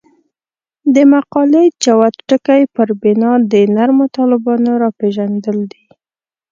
د مقالې جوت ټکی پر بنا د نرمو طالبانو راپېژندل دي.